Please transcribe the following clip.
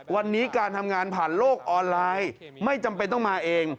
วันนี้การทำงานผ่านโลกออนไลน์ไม่จำเป็นต้องมาเอง